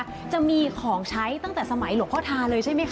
บรรยากาศมีของใช้ตั้งแต่สมัยหลวงพ่อทาน่าใช่ไหมค่ะ